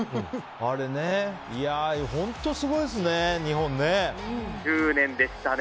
本当すごいですね、日本ね。